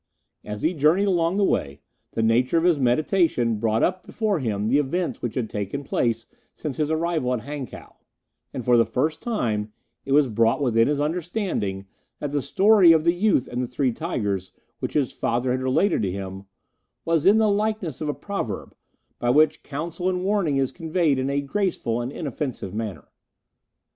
As he journeyed along the way, the nature of his meditation brought up before him the events which had taken place since his arrival at Hankow; and, for the first time, it was brought within his understanding that the story of the youth and the three tigers, which his father had related to him, was in the likeness of a proverb, by which counsel and warning is conveyed in a graceful and inoffensive manner.